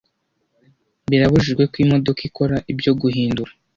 birabujijwe ko imodoka ikora ibyo Guhindura